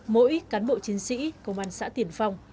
mỗi cán bộ chiến sĩ công an xã tiền phong